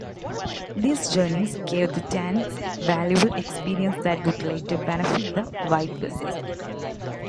These journeys gave the Danes valuable experience that would later benefit the "White Buses".